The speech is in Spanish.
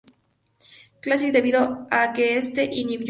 Classics" debido a que este y Nick Jr.